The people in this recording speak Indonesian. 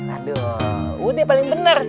aduh udah paling bener